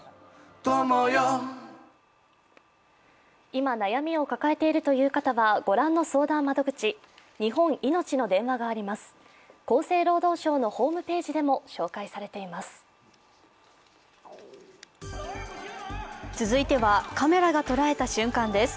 今、悩みを抱えているという方は、御覧の相談窓口、日本いのちの電話があります。